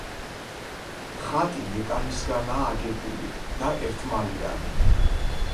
ხიდი მეტალისგანაა აგებული და ერთმალიანი.